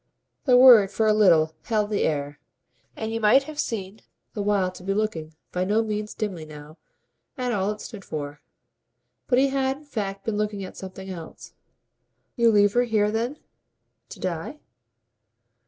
The word, for a little, held the air, and he might have seemed the while to be looking, by no means dimly now, at all it stood for. But he had in fact been looking at something else. "You leave her here then to die?"